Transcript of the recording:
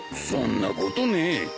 そんなことねえ。